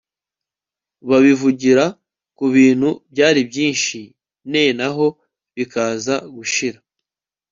babivugira kubintu byari byinshi nenaho bikaza gushira